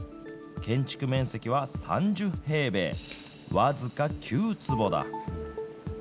建築面積は３０平米、僅か９坪だ。